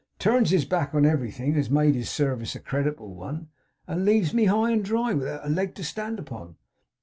'Turns his back on everything as made his service a creditable one, and leaves me high and dry, without a leg to stand upon.